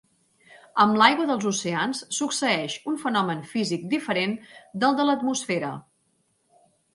Amb l'aigua dels oceans succeeix un fenomen físic diferent del de l'atmosfera.